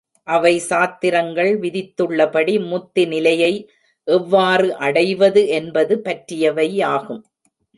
அவை சாத்திரங்கள் விதித்துள்ளபடி முத்தி நிலையை எவ்வாறு அடைவது என்பது பற்றியவை ஆகும்.